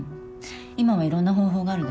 今はいろんな方法があるでしょ。